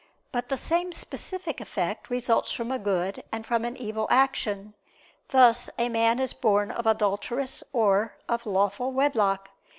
But the same specific effect results from a good and from an evil action: thus a man is born of adulterous or of lawful wedlock.